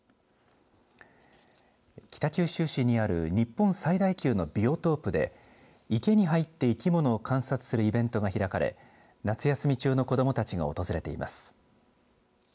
北九州市にある日本最大級のビオトープで池に入って生き物を観察するイベントが開かれ夏休み中の子どもたちが訪れています。